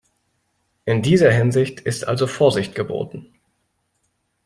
In dieser Hinsicht ist also Vorsicht geboten.